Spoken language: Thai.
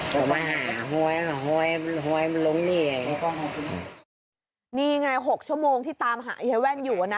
เขามาหาห้อยห้อยห้อยมันลงนี่ไงนี่ไงหกชั่วโมงที่ตามหาเย้แว่นอยู่อ่ะนะ